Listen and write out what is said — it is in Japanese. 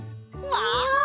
わ！